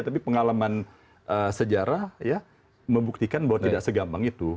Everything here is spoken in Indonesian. tapi pengalaman sejarah ya membuktikan bahwa tidak segampang itu